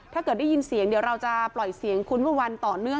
ถ้าเกิดได้ยินเสียงเดี๋ยวเราจะปล่อยเสียงคุณเมื่อวันต่อเนื่อง